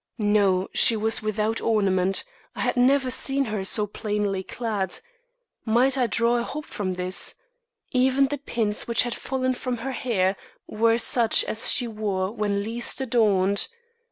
No, she was without ornament; I had never seen her so plainly clad. Might I draw a hope from this? Even the pins which had fallen from her hair were such as she wore when least adorned.